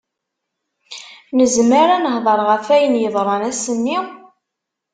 Nezmer ad nehder ɣef ayen yeḍran ass-nni?